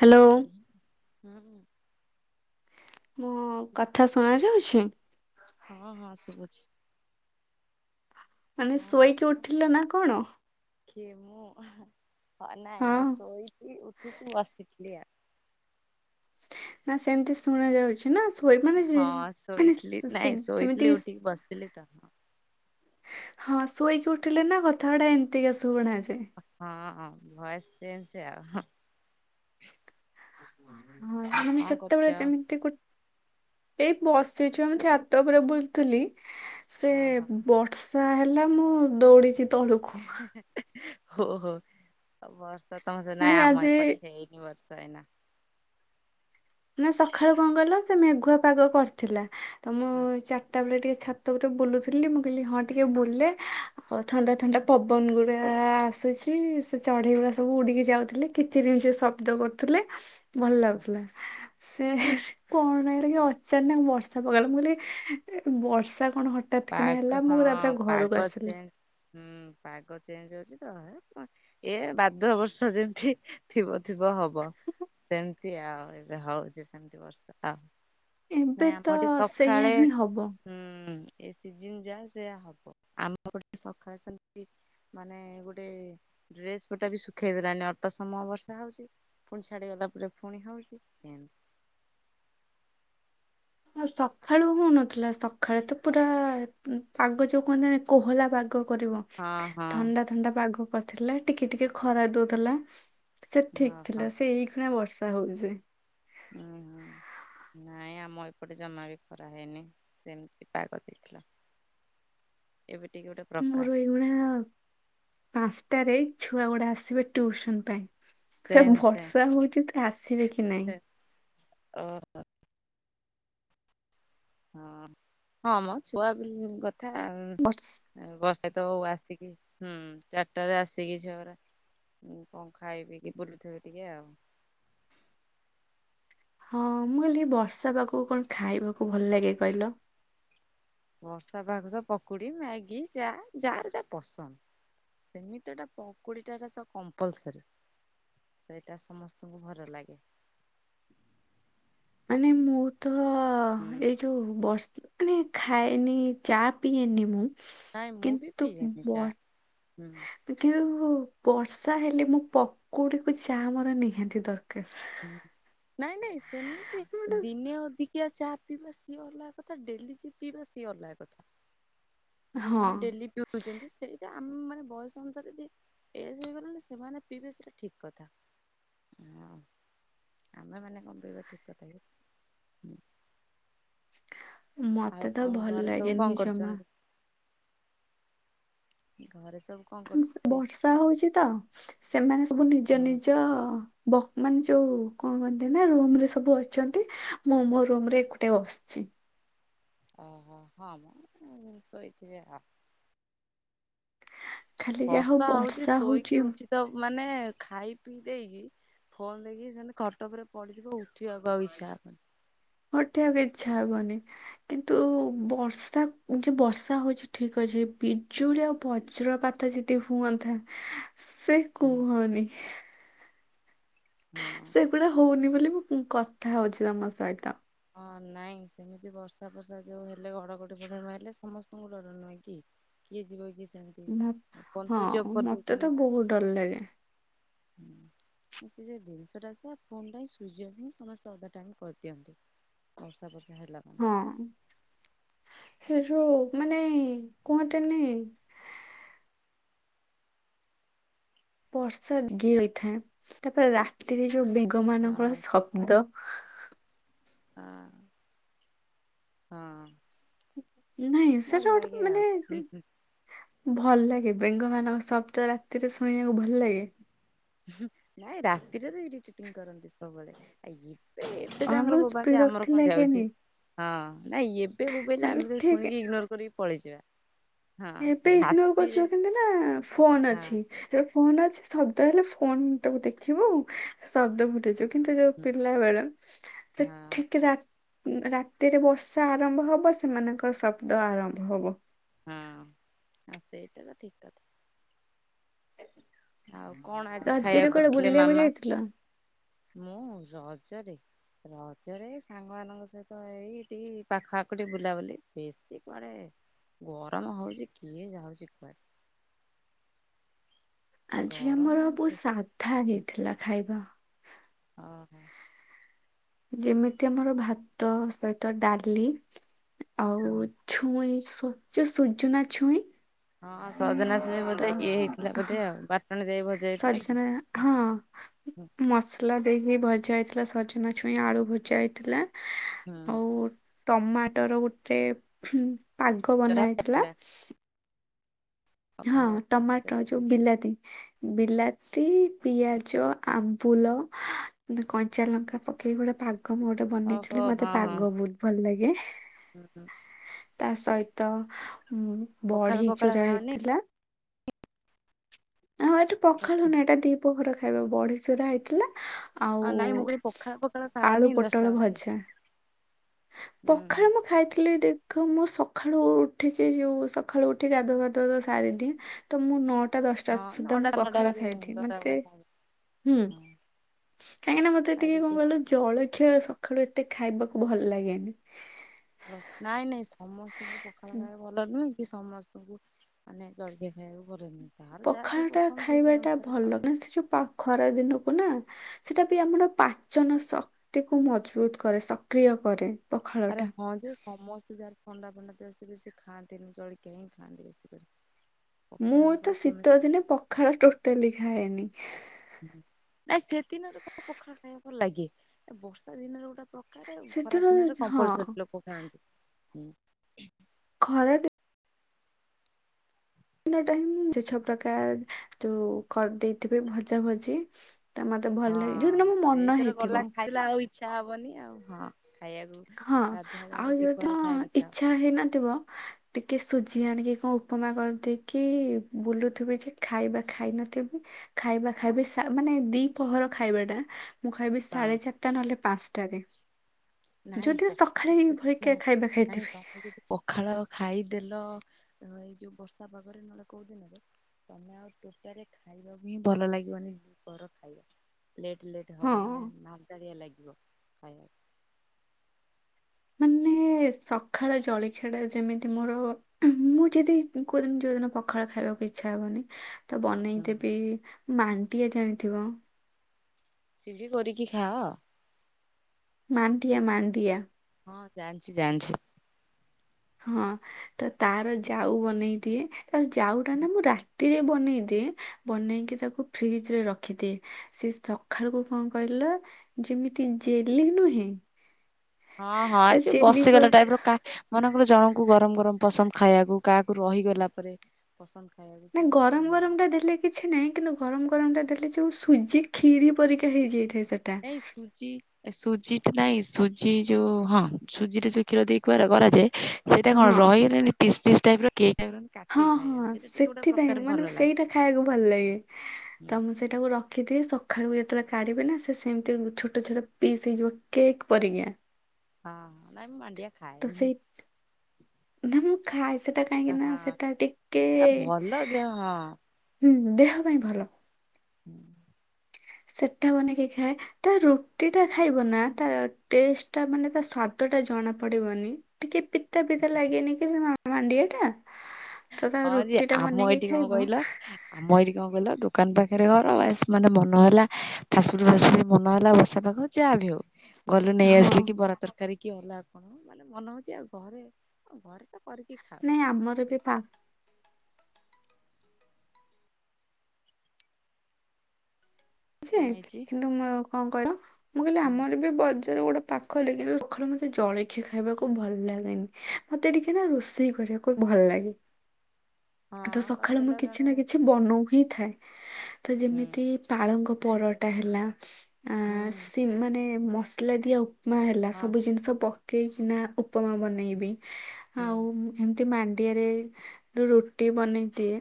Hello. ହୁଁ। ମୋ କଥା ଶୁଣା [unintelligible] ଯାଉଛି? ହଁ ମୋର ଶୁଭୁଛି। ମାନେ କଣ ଶୋଇକି କରୁଛ? ଉଠିଲେ ନା କଣ? କିଏ ମୁଁ ହ ହଁ ନାଇଁ ଶୋଇକି ଉଠିକି ବସିଥିଲି ଆଉ। ନା ସେମିତି ଶୁଣା ଯାଉଛି ନାଶୋଇ ମାନେ ହଁ ମାନେ କେମିତି ପିଲିିତା ହଁ ଶୋଇକି ଉଠିଲେ ନା କଥା ଗୁଡାଏ ଏମତିକିସୁଣା ଯାଏ। ହଁ ହଁ ଭଏସ ଚେଞ ଆଉ। ଆଉ ହଁ ଓ କଣ କରୁଛ? ସତେବେଳେ ଯେମିତି ଗୋ ଏ ବସିଛି ଆମେ ଛାତ ଉପରେ ବୁଲଥିଲି ସେ ଓହୋ ସେ ବର୍ଷା ହେଲା ମୁଁ ଦୌଡ଼ିଛି ହଁ ହଁ ହଁ ବର୍ଷା ତମସେପଟେ ନାଇଁ ମାନେ ଆମ ଆଜି ଏପଟେ ହେଇନି ବର୍ଷା। ଯାଇନା ନା ସକାଳୁ କଣ କହେଲ ସେ ମେଘୁଆ ପାଗ କରିଥିଲା ମୁଁ ଚାରିଟା ବେଳେ ଟିକେ ଛା ଟୁ ଟେ ବୁଲୁଥିଲି ମୁଁ କହିଲି ହଁ ଟିକେ ବୁଲେ ହଉ ଥଣ୍ଡା ଥଣ୍ଡା ପବନ ଗୁଡା ଏ ଆସୁଛି ସେ ଚଢେଇ ଗୁଡାଏ ସବୁ ଉଡିକି ଯାଉଥିଲେ କିଚିରିମିଚିରି ଶବ ଶୀ ତ କରୁଥିଲେ ଭଲ ଲାଗୁଥିଲା ସେ କଣ ରହଲା କି ଅଚାନକ ବର୍ଷା ପକେଇଲା ମୁଁ କହିଲି ବର୍ଷା କଣ ହ ତାତିକିଣା ପାଗ ହେଲା ମୁଁ ତାପରେ ହଁ ଘରକୁ ପାଗ ଆସିଲି। ଚେଞ୍ଜ ହୁଁ ପାଗ ଚେଞ୍ଜ ହଉଛି ତ। ଏ ବାଦୁଆ ବର୍ଷା ଯେଉଠି ଥିବ ଥିବ ହବ। ସେମିତି ଆଉ ଏବେ ହଉଛି ସେମତି ବର୍ଷା ଆଉ। ଏବେ ନାଇଁ ଆମର ତ ଏଠି ସେଇଆ ସକାଳେ। ହିଁ ହବ ହୁଁ ଏ ସିଜିନ ଯା ସେଇଆ ହବ ଆମ ଏଠି ସକାଳ ସେମିତି। ମାନେ ଗୋଟେ ଡ୍ରେସ ପଟା ବି ଶୁଖେଇ ଦେଲାଣିି ଅଳ୍ପ ସମୟ ବର୍ଷା ହଉଛି। ପୁଣି ଛାଡ଼ିଗଲା ପରେ ପୁଣି ହେଉଛି। ସକାଳୁ ହଉନଥିଲା ସକାଳୁ ତ ପୁରା ପାଗ ଯୋଉ କୁହନ୍ତିନି କୋହଲା ପାଗ କରିବ। ହଁ ହଁ। ଥଣ୍ଡା ଥଣ୍ଡା ପାଗ କରିଥିଲା ଟିକେ ଟିକେ ଖରା ଦଉଥିଲା ସେ ଠିକ ଓହୋ ଥିଲା ସେ ଏଇ ଖଣା ବର୍ଷା। ହଉଛି। ହୁଁ ହୁଁ। ନାଇଁ ଆମ ଏପଟେ ଜମା ବି ଖରା ହେଇନି ସେମିତି ପାଗ ଦେଇଥିଲା। ଏବେ ଟିକେ ଗୋ ମୋର ଏଇଗୁଣା ପାଞ୍ଚଟାରେ ଛୁଆ ଗୁଡା ଆସିବେ ଟ୍ୟୁସନ ପାଇଁ। ସବୁ ସେମ୍ ସେମ୍। ବର୍ଷା ହଉଛି ସେ ଆସିବେ କି ନାଇଁ। ଓ। ହଁ ହଁ ମୋ ଛୁଆ କଥା। ବର୍ଷ ବର୍ଷା ତ ହଉ ଆସିକି ହୁଁ ଚାରିଟାରେ ଆସିକି ଝିଅମାନେ। ହଁ କଣ ଖାଇପିଇକିି ବୁଲୁଥିବେ ଟିକେ ଆଉ। ହଁ ମୁଁ କହିଲି ବର୍ଷା ପାଗକୁ କଣ ଖାଇବାକୁ ଭଲ ଲାଗେ କହିଲ? ବର୍ଷା ପାାଗ ତ ପକୁଡ଼ି ମ୍ୟାଗି ଯା ଯାହାର ପସନ୍ଦ। ସେମିତି ଟା ପକୁଡିଟା ସ କମ୍ପଲସରୀ। ସେଇଟା ସମସ୍ତଙ୍କୁ ଭଲ ଲାଗେ। ମାନେ ମୁଁ ତ ଏଇ ହୁଁ ଯୋଉ ବର୍ଷା। ମାନେ ଖାଏନି ଚା ପିଏନି ମୁଁ। ନାଇଁ ମୁଁ ବି କିନ୍ତୁ ପିଏନି ବ ଚା ହୁଁ। କିନ୍ତୁ ବର୍ଷା ହେଲେ ମୁଁ ପକୁଡିକୁୁ ଚା ମୋର ନିହାତି ଦରକାର। ହୁଁ। ନାଇଁ ନାଇଁ ସେମିତି ମାନେ- ଦିନେ ଅଧିକିଆ ଚା ପିଇବା ସିଏ ଅଲଗା କଥା ଡେଲି ପିଇବା ସିଏ ଅଲଗା କଥା। ହଁ ଯୋଉମାନେ ଡେଲି ପିଉଛନ୍ତି ସେଇଟା ଆମେ ମାନେ ବୟସ ଅନୁସାରେ ଯେ। ଏଜ୍ ହେଇଗଲାଣି ସେମାନେ ପିଇବେ ସେଟା ଠିକ୍ କଥା, ହଁ। ଆମେ ମାନେ କଣ ପିଇବା ଠିକ୍ କଥା କି? ଆଉ ମତେ ତ କଣ ଭଲ ଘରେ ସବୁ ଲାଗେନି କଣ ଜମା। କରୁଛନ୍ତି? ଘରେ ସବୁ କଣ କରୁଛନ୍ତି? ବର୍ଷା ହଉଛି ତ ସେମାନେ ସବୁ ନିଜ ହୁଁ ନିଜ ବ ମାନେ ଯୋଉ କଣ କହନ୍ତି ନା ରୁମରେ ସବୁ ଅଛନ୍ତି। ମୁଁ ମୋ ରୁମ ରେ ଏକୁଟିଆ ବ ସିଛି। ଓହୋ ହଁ ମ ଶୋଇଥିବେ ଆଉ। ଖାଲି ଯାହା ହଉ ବର୍ଷା ହଉଛି ଶୋଇକି ହଉଛି ଉଠି ଦବୁ ମାନେ ଖାଇ ପିଇ ଦେଇକି। ଫୋନ ଦେଇକି ସେମିତି ଖଟ ଉପରେ ପଡିଥିବୁ ଉଠିବାକୁ ଆଉ ଇଚ୍ଛା ହବନି। ଉଠିବାକୁ ଇଚ୍ଛା ହବନି। କିନ୍ତୁ ବର୍ଷା ଯେ ବର୍ଷା ହଉଛି ଠକ୍ ଅଛି। ବିଜୁଳି ଆଉ ବଜ୍ରପାତ ହୁଅନ୍ତା ସେ କୁହନି। ହଁ। ସେଗୁଡା ହଉନି ବୋଲି ମୁ କଥା ହଉଛି ତମ ସହିତ। ହଁ ନାଇଁ ସେମିତି ବର୍ଷା ଫର୍ଷା ଯୋଉ ହେଲେ ଘଡଘଡି ପଟ ମାଇଲେ ସମସ୍ତଙ୍କୁ ଡର ନୁହେଁ କି? କିଏ ଯିବ କି ସେମିତି ଫୋନ୍ ଭା ସୁଇଚ୍ ଅଫ୍ ହଁ ମତେ କରିଦଉଛନ୍ତି ତ ନା। ବହୁ ଡର ଲାଗେ। ସେ ଯେ ଜିନିଷଟା ସେୟା ଫୋନ୍ ଟା ହିଁ ସୁଇଚ ଅଫ ହିଁ ସମସ୍ତେ ଅଧା ଟାଇମ୍ କରିଦିଅନ୍ତି। ବର୍ଷା ଫର୍ଷା ହେଲାଗ ହଁ ସେ ଯୋଉ ମାନେ କୁହନ୍ତିନି ବର୍ଷାି ଗି ରହିଥାଏ ତାପରେ ରାତିରେ ଯୋଉ ବେଗ ମାନଙ୍କର ହଁ ଶବ୍ଦ ହଁ ହଁ। ନାଇଁ ଭଲ ସେଟା ଲାଗେ ଗୋଟେ ମାନେ ଆଉ ହୁଁ ହୁଁ ଭଲ ଲାଗେ ବେଙ୍ଗ ମାନଙ୍କ ଶବ୍ଦ ରାତିରେ ଶୁଣିବାକୁ ଭଲ ଲାଗେ। ନାଇଁ ରାତିରେ ତ ଇରିଟିଟିଙ୍ଗ କରନ୍ତି ସବୁବେଳେ ଆ ଏ ଏ ଏତେ ହଁ ତାଙ୍କର ବହୁତ ବୋବାନ୍ତି ଆମର ବିରକ୍ତି କଣ ଲାଗେନି ଯାଉଚି। ହଁ ନାଇଁ ଏବେ ବୋବେଇଲେ ମାନେ ଆମେ ତା ଠିକ ଶୁଣିକି ଇଗ୍ନୋର କରିକି ପଳେଇଯିବା। ହଁ ଏବେ ଇଗ୍ନୋର ରାତିରେ କରିଛନ୍ତି ନା ଫୋନ୍ ହଁ ଅଛି? ଯୋଉ ଫୋନ ଅଛି ଶବ୍ଦ ହେଲେ ଫୋନ ଟାକୁ ଦେଖିବୁ ଶବ୍ଦ ଭୁଲିଯିବୁ। କିନ୍ତୁ ଯୋଉ ପିଲା ବେଳ ସେ ହଁ ଠିକ ରା ଉଁ ରାତିରେ ବର୍ଷା ଆରମ୍ଭ ହବ ସେମାନଙ୍କର ଶବ୍ଦ ଆରମ୍ଭ ହବ। ହଁ ଆ ସେଇଟା ତ ଠିକ କଥା। ଆଉ କଣ ଆଜି ରଜରେ ଖାଇବା କୁଆଡେ କରିଥିଲେ ବୁଲିବାକୁ ମାମା ଯାଇଥିଲ? ମୁଁ ରଜରେ ରଜରେ ଏଇ ସାଙ୍ଗମାନଙ୍କ ସହିତ ଏଇଠିକି ପାଖ ଆଖ ଟିକେ ବୁଲାବୁଲି ବେଶୀ କୁଆଡେ ଗରମ ହୋଉଚି କିଏ ଯାଉଚି କୁଆଡେ। ଆଜି ଆମର ଗରମରେ ବୋ ଉ ସାଧା ହେଇଥିଲା ଖାଇବା। ଓହୋ। ଯେମିତି ଆମର ଭାତ ସହିତ ଡାଲି ଆଉ ହୁଁ ଛୁଇଁ ସୁ ଯୋ ସୁଜୁନା ଛୁଇଁ ହଁ ସଜନା ଛୁଇଁ ତ ବୋଧେ ଇଏ ହେଇଥିଲା ବୋଧେ ଆଉ ବାଟଣ ଦିଆଇ ଭଜା ହେଇଥିଲା କି? ଏ ହଁ। ମସଲା ଦେଇକି ଭଜା ହେଇଥିଲା ସଜନା ଛୁଇଁ ଆଳୁ ଭଜା ହେଇଥିଲା। ହୁଁ। ଟମାଟୋର ଗୋଟେ ଫୁଁ ପାଗ ବନା ହେଇଥିଲା। ହଁ ଓହୋ ଟମାଟର ଯୋଉ ବିଲାତି ବିଲାତି ପିଆଜ ଆମ୍ବୁଲ ଦ କଞ୍ଚାଲଙ୍କା ପକେଇକି ଗୋଟେ ପାଗ ମୋଡ୍ ଓହୋ ବନେଇଥିଲେ ମତେ ହଁ ହଁ ପାଗ ବହୁତ ଭଲ ଲାଗେ। ତା ସହିତ ମୁ ପଖାଳ ବଢି ପଖାଳ ଚୁରା ଖାଅନି ହେଇଥିଲା। ହଁ ଏଟା ପଖାଳୁ ନୁହଁ ଏଟା ଦି ପହର ଖାଇବା ବଢି ଚୁରା ହେଇଥିଲା ଆଉ ନାଇଁ ମୁଁ କହିଲି ପଖାଳ ପଖାଳ ଖାଅନି ଆଳୁ ଦଶଟା ପୋଟଳ ବେଳେ? ଭଜା। ପଖାଳ ହୁଁ ମୁଁ ଖାଇଥିଲି ଦି ତ ମୁଁ ସକାଳୁ ଉଠିକି ଯୋଉ ସକାଳୁ ଉଠିକି ଗାଧୁଆ ଫାଧୁଆ ସ ସାରିଦିଏ ତ ମୁଁ ନ ଟା ଦଶଟା ହଁ ସୁଦ୍ଧା ନଅଟା ମୁଁ ନଅଟା ପଖାଳ ବେଳେ ଖାଇଦିଏ ଦଶଟା ବେଳେ ମତେ ଖାଇ ହୁଁ। କାହିଁକିନା ମତେ ଟିକେ କଣ ଖାଇଦେଇଥିବେ। କହିଲ ଜଳଖିଆ ସକାଳୁ ଏତେ ଖାଇବାକୁ ଭଲ ଲାଗେନି। ନାଇଁ ନାଇଁ ସମସ୍ତଙ୍କୁ ପଖାଳ ଖାଇବା ଭଲ ନୁହେଁ କି ସମସ୍ତଙ୍କୁ ମାନେ ଜଳଖିଆ ଖାଇବାକୁ ଭଲନୁହେଁ। ପଖାଳ ଟା ଖାଇବା ଟା ଭଲ ନା ଖାଉଛନ୍ତି। ସେ ଯୋଉ ପ ଖରା ଦିନକୁ ନା ସେଟା ବି ଆମର ପାଚନ ଶକ୍ତି କୁ ମଜବୁତ କରେ ସକ୍ରିୟ କରେ। ଆରେ ପଖାଳଟା ହଁ ଯେ ସମସ୍ତେ ଯାହାର ଥଣ୍ଡା ଫଣ୍ଡା ଦେହ ସେ ବେଶୀ ଖାଆନ୍ତିନି ଜଳଖିଆ ହିଁ ଖାଆନ୍ତି ବେଶିକରି। ମୁଁ ତ ଶୀତ ଦିନେ ପଖାଳ ଟୋଟାଲି ଖାଏନି। ନାଇଁ ସେଦିନରେ କଣ ପଖାଳ ଖାଇବାକୁ ଲାଗେ ଏ ବର୍ଷା ଦିନରେ ଗୋଟେ ପ୍ରକାର ଖରା ସେଦିନ ଦିନରେ ହଁ କମ୍ପଲସରୀ ଲୋକ ଖାଆନ୍ତି ହୁଁ। ଖରାରେ ଦିନ ଟା ହିଁ ଯେତେ ପ୍ରକାର ଯୋଉ କରିଦେଇଥିବେ ଭଜା ଭଜି ତା ମତେ ଭଲ ଲାଗେ ହଁ ଯୋଉଦିନ ମୋ ମନ ସେଇଥର ଗଲା ହେଇଥିବ। ଖାଇଲା ଆଉ ଇଚ୍ଛା ହବନି ଆଉ ହଁ ଖାଇବାକୁ। ହଁ ଗାଧୁଆଳେ ଆଉ ଯୋଉ ଦିନ ଦିପହରେ ଖାଇବାକୁ ହବ ଇଚ୍ଛା ହେଇନଥିବ ଟିକେ ସୁଜି ଆଣିକି କଣ ଉପମା କରିଦେଇକି ବୁଲୁଥିବି ଯେ ଖାଇବା ଖାଇ ନଥିବି ଖାଇବା ଖାଇବି ସା ମାନେ ଦି ପହର ଖାଇବା ଟା ମୁଁ ଖାଇବି ହଁ ସାଢେ ଚାରିଟା ନହେଲେ ପାଞ୍ଚଟା ରେ। ଯଉ ନାଇଁ ଦିନ ସକାଳେ ପଖାଳ ଏ ଯଦି ଭଳିକା ନାଇଁ ଖାଇବା ନାଇଁ ଖାଇଥିବି। ତମେ ଯଦି ପଖାଳ ଖାଇଦେଲ ଏଇ ଯୋଉ ବର୍ଷା ପାଗରେ ନହେଲେ କୋଉଦିନ। ତମେ ଆଉ ଟୋଟାଲି ଖାଇବାକୁ ହିଁ ଭଲ ଲାଗିବନି ଘର ଖାଇବା। ଲେଟ୍ ଲେଟ୍ ହଁ ହବ ମାନେ ମାଦାଲିଆ ଲାଗିବ ଖଇବା। ମାନେ ସକାଳ ଜଳିଖିଆଟା ଯେମିତି ମୋର ମୁଁ ଯଦି କୋଉଦିନ ଯୋଉଦିନ ପଖାଳ ଖାଇବାକୁ ଇଛା ହବନି ତ ବନେଇ ହୁଁ ଦେବି ମଣ୍ଡିଆ ଜାଣିଥିବ? ଚିଲି କରିକି ଖାଅ? ମାଣ୍ଡିଆ ମାଣ୍ଡିଆ। ହଁ ଜାଣିଛି ଜାଣିଛି। ହଁ ତ ତାର ଜାଉ ବନେଇ ଦିଏ ତାର ଯାଉ ଟା ନା ମୁଁ ରାତି ରାତିରେ ବନେଇଦିଏ ବନେଇକି ତାକୁ ଫ୍ରିଜ ରେ ରଖିଦିଏ। ସେ ସକାଳକୁ କଣ କହିଲ ଯେମିତି ଜେଲି ନୁହେଁ ହଁ ହଁ ଏ ପୁରା ଯ ଜେଲି ପ ବସିଗଲା ଟାଇପ୍ ର କା ମନେକର ଜଣଙ୍କୁ ଗରମ ଗରମ ପସନ୍ଦ ଖାଇବାକୁ କାହାକୁ ରହିଗଲା ପରେ ପସନ୍ଦ ଖାଇବାକୁ ନା ସେମିତି ଗରମ ହଁ। ଗରମ ଟା ଦେଲେ କିଛି ନାହିଁ କିନ୍ତୁ ଗରମ ଗରମ ଟା ଦେଲେ ଯେଉଁ ସୁଜି ଖିରୀ ପରିକା ହେଇଯାଇଥାଏ ସେ ଏଇ ସୂଜି ଏ ସୁଜିଥିଲା ନାଇଁ ସୁଜି ଯୋଉ ହଁ ସୁଜିରେ ଯଉ କ୍ଷୀର ଦେଇ କରାଯାଏ ସେଇଟା କଣ ହଁ ରହିଗଲେ ପିସ୍ ପିସ୍ ଟାଇପ ର କେକ୍ ଟାଇପ୍ ର ହଁ କାଟିକି ଖାଇବାକୁ ହଁ ସେଇଟା ଟିକେ ଗୋଟେ ସେଥିପାଇଁ ପ୍ରକାର ଭଲ ମାନେ ଲାଗେ। ସେଇଟା ଖାଇବାକୁ ଭଲ ଲାଗେ ହୁଁ ତ ମୁ ସେ ତାକୁ ରଖିଦିଏ ସକାଳୁ ଯେତେବେଳେ କାଢିବେ ନା ସେମିତି ଛୋଟ ଛୋଟ ପିସ୍ ହେଇଯିବ କେକ୍ ପରିକା। ହଁ ନାଇ ମୁଁ ମାଣ୍ଡିଆ ତ ଖାଏନି ସେଇ ନା ମୁଁ ଖାଏ ସେଟା କାହିଁକି ହଁ ନା ସେଟା ଟିକେ ତା ଭଲ ଯେ ହଁ ଦେହ ପାଇଁ ଭଲ। ହଁ। ସେଟା ବନେଇକି ଖାଏ, ତା ରୁଟି ଟା ଖାଇବ ନା ତା ଟେଷ୍ଟଟା ମାନେ ତା ସ୍ଵାଦଟା ଜଣା ପଡିବନି। ଟିକେ ପିତା ପିତା ଲାଗେନି କି ମା ମାଣ୍ଡିଆ ଟା ତ ତା ହଁ ଯେ ରୁଟି ଟା ଆମ ବନେଇକି ଏଇଠି କଣ ଖାଇବ କହିଲ ଆମ ଏଇଠି କଣ କହିଲ ଦୋକାନ ପାଖରେ ଘର ବାସ୍ ମାନେ ମନ ହେଲା ଫାଷ୍ଟଫୁଡ ଫାଷ୍ଟଫୁଡ଼ ବି ମନ ହେଲା ବର୍ଷା ପାଗରେ ଯାହା ବି ହଉ ଗଲୁ ନେଇ ହଁ ଆସିଲୁ କି ବରା ତରକାରୀ କି ଅଲଗା କଣ ମାନେ ମନ ହଉଛି ଆଉ ଘରେ ଘରେ ତ କରିକି ଖା ନାଇଁ ଆମର ବି ପାଆନ୍ତି ନି ଅଛି କଣ ହେଇଛି କିନ୍ତୁ କଣ କହିଲ ମୁଁ କହିଲି ହୁଁ ଆମର ବି ବଜାର ଗୋଟେ ପାଖ କହିଲ କିନ୍ତୁ ସକାଳୁ ମତେ ଜଳଖିଆ ଖାଇବାକୁ ଭଲ ଲାଗେନି ମତେ ଟିକେ ନା ରୋଷେଇ କରିବାକୁ ଭଲ ଲାଗେ। [unintelligible] ତ ହଁ ସକାଳୁ ମୁଁ କରିଦେଲ କିଛି ଜଣେ ନା କିଛି ବନଉ ହିଁ ଥାଏ ତ ହୁଁ ଯେମିତି ପାଳଙ୍ଗ ପରଟା ହେଲା ଆ ହୁଁ ସେମାନେ ମସଲା ଦିଆ ଉପ୍ ମା ହେଲା ହଁ ସବୁ ଜିନିଷ ପକେଇକିନା ଉପମା ବନେଇବେ ଆଉ ହୁଁ ଏମିତି ମାଣ୍ଡିଆରେ ରୁଟି ବନେଇ ଦିଏ।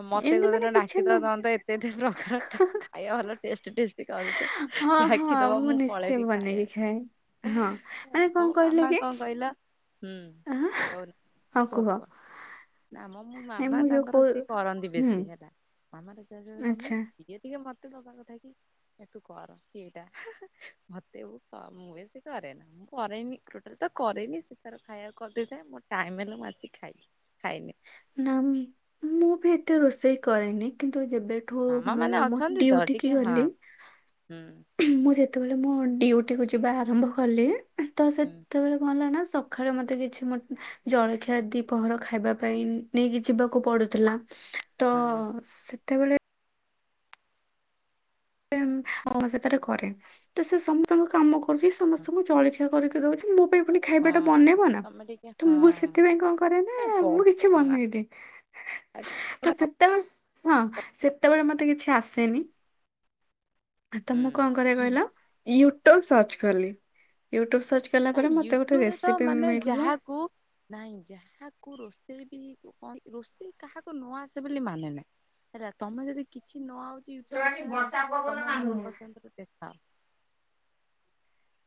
ଆଉ ମତେ କୋଉଦିନ ଡାକିଦବ ତମର ତ ଏତେ ଏତେ ପ୍ରକାର ଖାଇବା ଭଲ ଟେଷ୍ଟି ଟେଷ୍ଟି କରୁଛ। ହଁ ହଁ ଡାକିଦବ ମୁଁ ପଳେଇ ନିଶ୍ଚୟ କି ବନେଇକି ଖାଏ। ହଁ ଖାାଇବାକୁ। ମାନେ କଣ ମୋ କହିଲ ମାମା କି କଣ କହିଲା ହୁଁ ଆଁ କହୁନ କୁହ କୁହ। ନା ମ ମୋ ନାଇଁ ମାମା ମୁଁ ଯୋଉ ତାଙ୍କର କହୁ ସିଏ କରନ୍ତି ହୁଁ ବେଶୀ ହେଲା ମାମା ରୋଷେଇବାସ ଆଚ୍ଛା କରନ୍ତି। ଟିକେ ମୋତେ ଦବା କଥା କି ତୁ କର ଏଇଟା ମତେ ମୁଁ ବେଶି କରେନା। ମୁଁ କରେନି ଟୋଟାଲ ତ କରେନି ସେ ତାର ଖାଇବା କରିଦେଇଥାଏ ମୋର ଟାଇମ ହେଲା ମୁଁ ଆସି ଖାଇଦିଏ। ଖାଇନି। ନା ମୁଁ ବି ଏତେ ରୋଷେଇ କରେନି କିନ୍ତୁ ଯେବେବି ଠୁ ମାମା ମାନେ ମୁଁ ଅଛନ୍ତି ତ ଉଠିକି ଟିକେ ହଁ ଗଲି। ହୁଁ। ମୁଁ ଯେତେବେଳେ ମୋ ଡ଼ିଉଟି କୁୁ ଯିବା ଆରମ୍ଭ କଲି ତ ହୁଁ ସେତେବେଳେ କଣ ହେଲା ନା ପାଖରେ ମତେ କିଛି ଜଳଖିଆ ଦି ପହଁର ଖାଇବା ପାଇଁ ନେଇକି ଯିବାକୁ ପଡୁଥିଲା ହଁ। ସେତେବେଳେ। ଅ ସେଠାରେ କରେ ତ ସେ ସମସ୍ତଙ୍କ କାମ କରୁଛି ହଁ ସମସ୍ତଙ୍କୁ ଚଳି କରିକି ଦଉଚି ମୋ ପାଇଁ ପୁଣି ଖାଇବାଟା ହଁ ବନେଇବ ନା ତମେ ଟିକେ ତ ମୁଁ ହଁ ସେଥିପାଇଁ କଣ କରେ ନା ଏ ବ ମୁଁ କିଛି କିଛି ମନଇବି ତାପରେ। ସେତେବେଳେ ହଁ ସେତେବେଳେ ମତେ କିଛି ଆସେନି। ତ ମୁଁ କଣ କରିବା ହୁଁ କହିଲ ୟୁଟ୍ୟୁବ ସର୍ଚ୍ଚ କଲି ୟୁଟ୍ୟୁବ ସର୍ଚ୍ଚ କଲା ପରେ ମତେ ଗୋଟେ ୟୁଟ୍ୟୁବରେ ତ ରେସିପି ମାନେ ମିଳିଲା ଯାହାକୁ ନାଇଁ ଯାହାକୁ ରୋଷେଇ ବି କ ରୋଷେଇ କାହାକୁ ନୂଆ ଆସେ ବୋଲି ମାନେ ନାହିଁ। ହେଲା ତମେ ଯଦି କିଛି ନଆଉଛି ୟୁଟୁବ ଖେଳା ତମ ମନ ପସନ୍ଦରେ ଦେଖାଅ।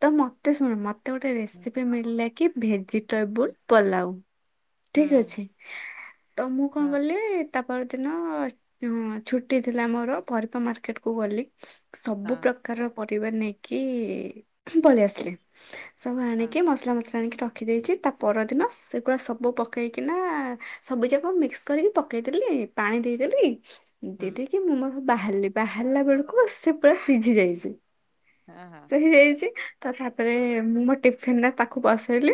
ତ ମତେ ଶୁଣ ମତେ ଗୋଟେ ହୁଁ ରେସିପି ମିଳିଲା କି ଭେଜି [inaudible] ହୁଁ ପଲାଉ ହୁଁ ଠିକ ଅଛି ତ ମୁଁ କଣ ହଁ କଲି। ତା ପର ଦିନ ଛୁଟି ଥିଲା ମୋର ପରପା ମାର୍କେଟ କୁ ଗଲି। ସବୁ ହଁ ପ୍ରକାରର ପରିବାର ନେଇକି ପଳେଇଆସିଲି। ସବୁ ହଁ ଆଣିକି ମସଲା ମସଲା ଆଣିକି ଟ ରଖି ଦେଇଛି ତା ପରଦିନ ସେଗୁଡ଼ା ସବୁ ପକାଇକିନା ସବୁ ଯାକ ମିକ୍ସ କରିକି ପକେଇଦେ ଲି ପାଣି ଦେଇଦେଲି ହୁଁ ଦିଦି କିି ମୁଁ ମୋର ବାହାରିଲି ବାହାରିଲା ବେଳକୁ ସେ ପା ସିଝି ଯାଇଛି। ହଁ ହଁ। ହେଇଯାଇଛି ତା, ଛାତରେ ମୁଁ ମୋ ଟିଫିନରେ ତାକୁ ବସେଇଲି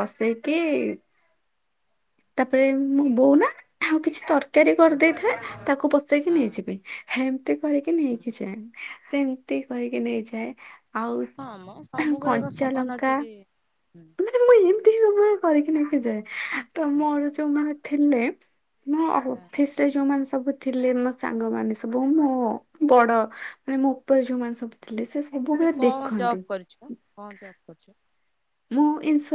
ବସେଇକି? ତାପରେ ମୋ ବୋଉ ନା ଆଉ କିଛି ତର କ୍ୟାରି ହଁ କରିଦେଇଥାଏ ତାକୁ ପସେଇକି ହଁ ନେଇଯିବି ହେମିତି କରିକି ନେଇକି ହୁଁ ଯାଏ। ସେମିତି କରିକି ନେଇଯାଏ ଆଉ ହଁ ମ ସବୁବେଳେ କ ସମାନ ଅଛି କି। ନାଇଁ ମୁ ଏମିତି [unintelligible] ସବୁବେଲେ [unintelligible] ଯୋଉମାନେ ଥିଲେ। ମ ହଁ ଅଫିସ ରେ ଯୋଉମାନେ ସବୁ ଥିଲେ ମୋ ସାଙ୍ଗ ମାନ ସବୁ ମୋ ବଡ ମାନେ ମୋ ଉପରେ ଯୋଉମାନୋନ ସବୁ ଥିଲେ ସେ ଏବେ ସବୁବେଳେ କଣ ଦେଖନ୍ତି ଜବ୍ କରିଛ କଣ ଜବ୍ କରୁଛନ୍ତି। ମୋ ଇଂସ୍ଟଲ